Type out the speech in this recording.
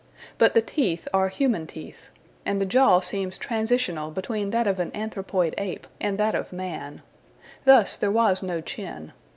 But the teeth are human teeth, and the jaw seems transitional between that of an anthropoid ape and that of man. Thus there was no chin.